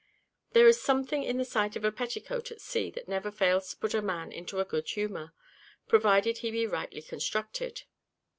There is something in the sight of a petticoat at sea that never fails to put a man into a good humour, provided he be rightly constructed.